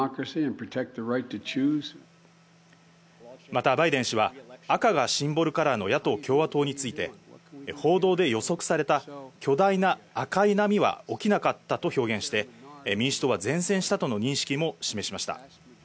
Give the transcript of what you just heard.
またバイデン氏は赤かシンボルカラーの野党・共和党について、報道で予測された巨大な赤い波は起きなかったと表現して、民主党は善戦したとの認識も示しました。